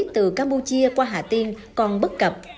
từ campuchia qua hà tiên còn bất cập